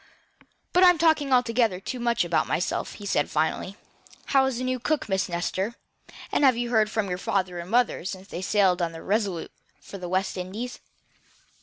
"But I'm talking altogether too much about myself." he said, finally. "How is the new cook Miss Nestor; and have you heard from your father and mother since they sailed on the RESOLUTE for the West Indies?"